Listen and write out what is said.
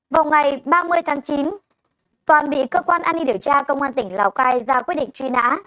vào ngày ba mươi tháng chín toàn bị cơ quan an ninh điều tra công an tỉnh lào cai ra quyết định truy nã